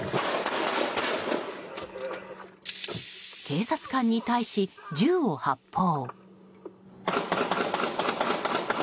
警察官に対し銃を発砲。